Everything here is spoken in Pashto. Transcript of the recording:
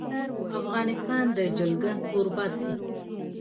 افغانستان د جلګه کوربه دی.